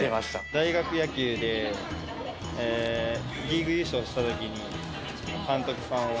大学野球で、リーグ優勝したときに、監督さんを。